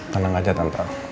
tenang aja tante